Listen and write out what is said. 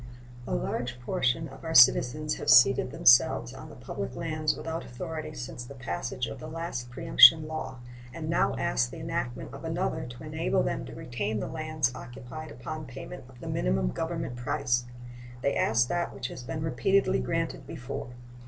A large portion of our citizens have seated themselves on the public lands without authority since the passage of the last preemption law, and now ask the enactment of another to enable them to retain the lands occupied upon payment of the minimum Government price. They ask that which has been repeatedly granted before.